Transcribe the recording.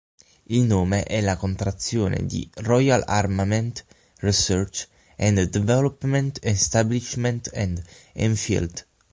Il nome è la contrazione di Royal Armament, Research and Development Establishment and Enfield.